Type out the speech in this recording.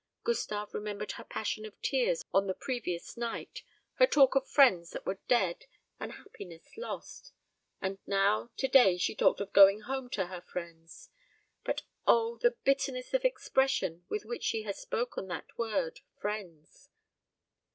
Gustave remembered her passion of tears on the previous night; her talk of friends that were dead, and happiness lost; and now to day she talked of going home to her friends: but O the bitterness of expression with which she had spoken that word "friends!"